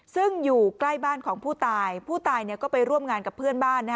ซึ่งอยู่ใกล้บ้านของผู้ตายผู้ตายก็ไปร่วมงานกับเพื่อนบ้าน